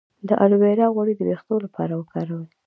د الوویرا غوړي د ویښتو لپاره وکاروئ